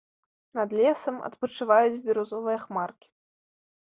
Над лесам адпачываюць бірузовыя хмаркі.